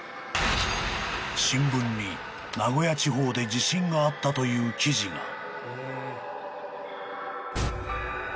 ［新聞に名古屋地方で地震があったという記事が］